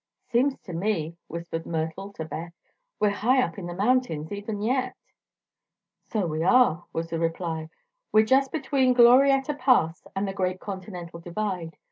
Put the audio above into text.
"Seems to me," whispered Myrtle to Beth, "we're high up on the mountains, even yet." "So we are," was the reply. "We're just between Glorietta Pass and the Great Continental Divide.